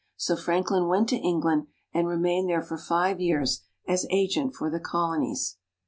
So Franklin went to England and remained there for five years as agent for the Colonies.